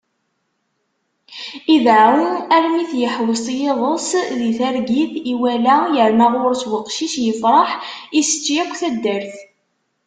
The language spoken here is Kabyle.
Ideεεu, armi t-yeḥwes yiḍes di targit iwala yerna γur-s uqcic, yefreḥ, isečč yakk taddart.